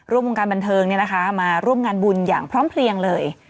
วงการบันเทิงมาร่วมงานบุญอย่างพร้อมเพลียงเลย